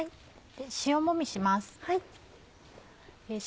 塩もみします。